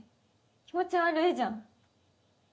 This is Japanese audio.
気持ち悪いじゃん